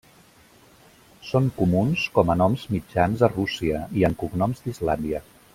Són comuns com a noms mitjans a Rússia, i en cognoms d'Islàndia.